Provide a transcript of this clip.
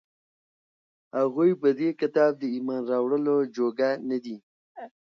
هغوى په دې كتاب د ايمان راوړلو جوگه نه دي،